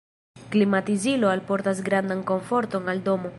Klimatizilo alportas grandan komforton al domo.